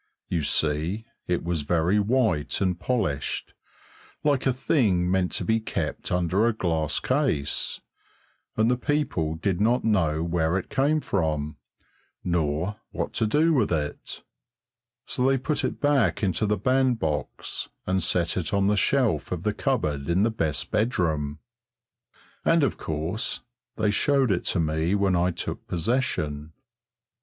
You see, it was very white and polished, like a thing meant to be kept under a glass case, and the people did not know where it came from, nor what to do with it; so they put it back into the bandbox and set it on the shelf of the cupboard in the best bedroom, and of course they showed it to me when I took possession.